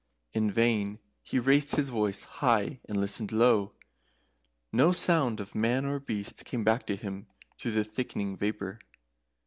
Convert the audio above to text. In vain he raised his voice high, and listened low, no sound of man or beast came back to him through the thickening vapour.